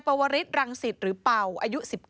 ปวริษรังสิทธิ์หรือเปล่าอายุ๑๙